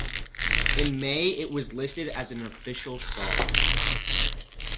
In May it was listed as an official song.